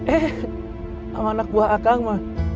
eh sama anak buah a kang mah